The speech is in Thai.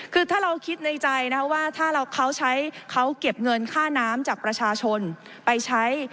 คือถ้าเราคิดในใจนะคะว่าถ้าเขาใช้เขาเก็บเงินค่าน้ำจากประชาชนไปใช้